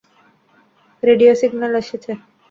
Radio signal এসেছে।